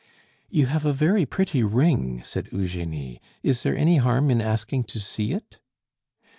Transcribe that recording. "You have a very pretty ring," said Eugenie; "is there any harm in asking to see it?"